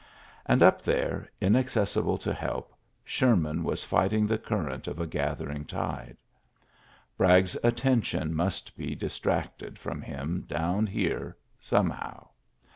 And up there, inaccessible to help, Sherman was fight ULYSSES S. GEANT 95 ing tlie current of a gathering tide. Bragg' s attention must be distracted from him down here, somehow.